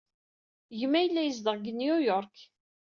Gma yella yezdeɣ deg New York.